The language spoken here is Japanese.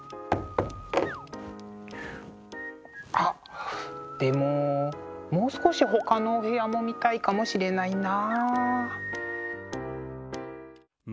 あっでももう少しほかのお部屋も見たいかもしれないな。